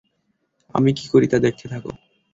আমি কি করি, তা দেখতে থাকো।